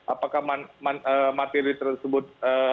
apakah materi tersebut